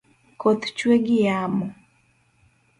Koth chwe gi yamo